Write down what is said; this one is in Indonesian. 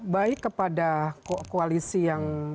baik kepada koalisi yang